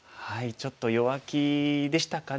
ちょっと弱気でしたかね。